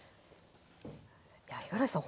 いや五十嵐さん